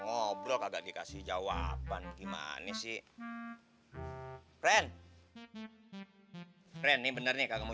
ngobrol kagak dikasih jawaban gimana sih friend friend ini bener nih kamu